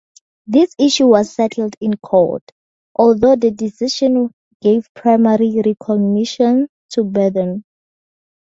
This issue was settled in court, although the decision gave primary recognition to Burton.